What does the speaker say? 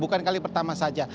bukan kali pertama saja